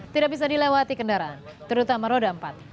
tidak bisa dilewati kendaraan terutama roda empat